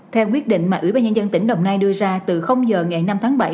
theo quyết định mà ủy ban nhân dân tỉnh đồng nai đưa ra từ giờ ngày năm tháng bảy